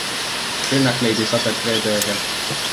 Rünnak leidis aset reede öösel.